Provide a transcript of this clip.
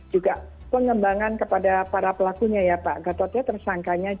juga pengembangan kepada para pelakunya ya pak gatotnya tersangkanya